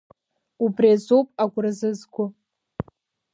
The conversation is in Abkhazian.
Убри азоуп агәра зызго.